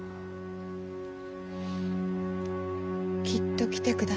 きっと来てくださる。